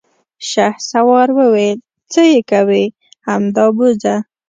شهسوار وويل: څه يې کوې، همدا بوځه!